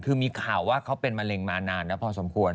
คือมีข่าวว่าเขาเป็นมะเร็งมานานแล้วพอสมควร